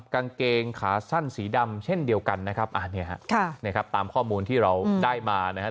กางเกงขาสั้นสีดำเช่นเดียวกันนะครับตามข้อมูลที่เราได้มานะครับ